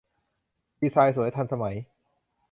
ดีไซน์สวย ทันสมัย